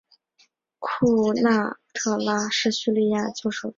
库奈特拉是叙利亚西南部库奈特拉省的旧首都。